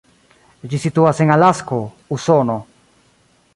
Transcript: Ĝi situas en Alasko, Usono.